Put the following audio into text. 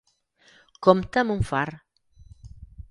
Compta amb un far.